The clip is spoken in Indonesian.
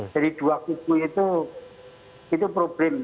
jadi dua kubu itu itu problem